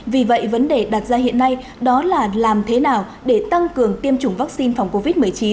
vì vậy vấn đề đặt ra hiện nay đó là làm thế nào để tăng cường tiêm chủng vaccine phòng covid một mươi chín